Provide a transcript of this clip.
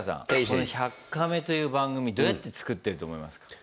この「１００カメ」という番組どうやって作ってると思いますか？